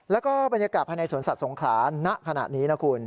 แล้วก็บรรยากาศภายในสวนสัตว์สงขลาณะขณะนี้นะคุณ